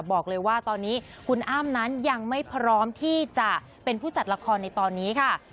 บอกเลยว่าตอนนี้คุณอ้ำนั้นยังไม่พร้อมที่จะเป็นผู้จัดละครในตอนนี้ค่ะ